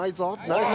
ナイス。